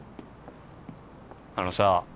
あのさ